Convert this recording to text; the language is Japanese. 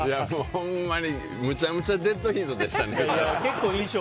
ほんまに、むちゃむちゃデッドヒートでしたね。